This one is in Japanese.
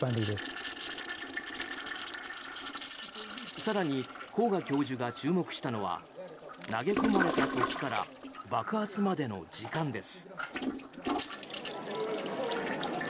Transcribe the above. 更に、甲賀教授が注目したのは投げ込まれた時から爆発までの時間です。